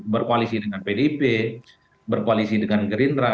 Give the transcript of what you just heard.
berkoalisi dengan pdip berkoalisi dengan gerindra